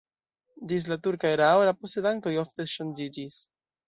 Ĝis la turka erao la posedantoj ofte ŝanĝiĝis.